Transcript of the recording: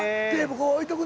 ここ置いとくね